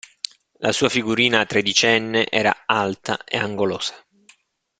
La sua figurina tredicenne era alta e angolosa.